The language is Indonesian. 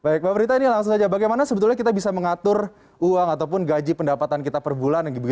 baik mbak prita ini langsung saja bagaimana sebetulnya kita bisa mengatur uang ataupun gaji pendapatan kita per bulan